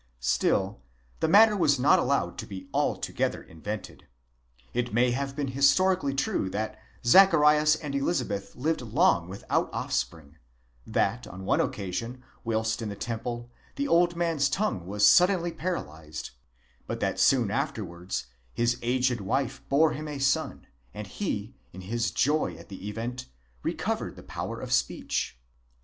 Still the matter was not allowed to be altogether invented. It may have been historically true that Zacharias and Elizabeth lived long without offspring ; that, on one occasion whilst in the temple, the old man's tongue was suddenly paralyzed ; but that soon after wards his aged wife bore him a son, and he, in his joy at the event, recovered the power of speech.